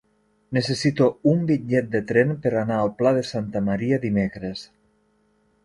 Necessito un bitllet de tren per anar al Pla de Santa Maria dimecres.